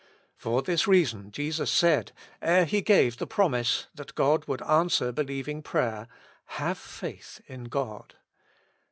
For this reason Jesus said, ere He gave the promise that God would answer believing prayer, "Have faith IN God."